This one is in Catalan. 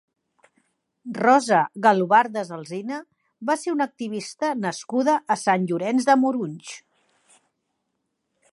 Rosa Galobardes Alsina va ser una activista nascuda a Sant Llorenç de Morunys.